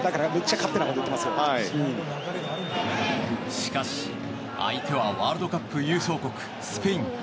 しかし、相手はワールドカップ優勝国スペイン。